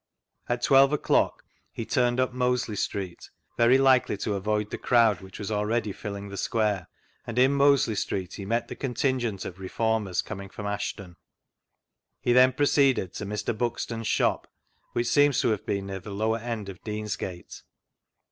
At twelve o'clock, he turned up Mosley Street (very likely to avoid the crowd which was already filling the Square) and in Mosley Street be met the contin gent of Reformers coming from Asbton. He then proceeded to Mr. Buxton's shop, which seems to have been near the lower end of Deansgate.